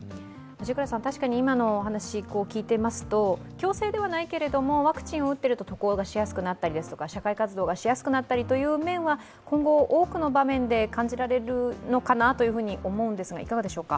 確かに今のお話を聞いていますと、強制ではないけれども、ワクチンを打っていると渡航がしやすくなったり社会活動がしやすくなったりというのは今後多くの場面で感じられるのかなと思うんですが、いかがでしょうか？